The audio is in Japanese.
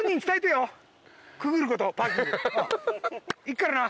いくからな。